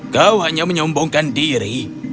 kau hanya menyombongkan diri